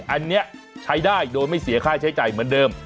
อันนี้ใช้ได้โดยไม่เสียค่าใช้จ่ายเหมือนเดิม